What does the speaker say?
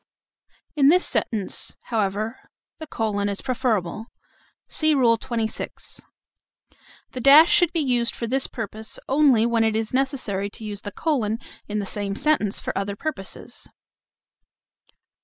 In this sentence, however, the colon is preferable. (See Rule XXVI.). The dash should be used for this purpose only when it is necessary to use the colon in the same sentence for other purposes.